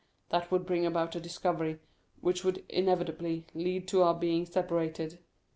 That would bring about a discovery which would inevitably lead to our being separated.